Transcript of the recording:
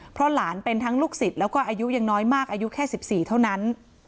เพราะหลานเป็นทั้งลูกศิษย์แล้วก็อายุยังน้อยมากอายุแค่๑๔เท่านั้น